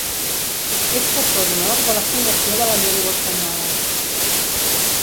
És patró d'honor de la Fundació de la Llengua Espanyola.